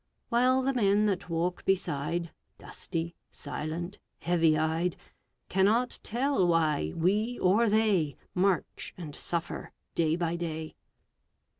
While the men that walk beside, Dusty, silent, heavy eyed, Cannot tell why we or they March and suffer day by day.